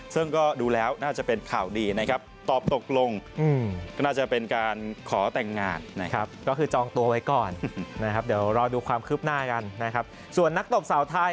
ซึ่งก็ดูแล้วน่าจะเป็นข่าวดีนะครับ